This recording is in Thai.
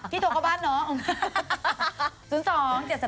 พี่โทรเข้าบ้านเหรอ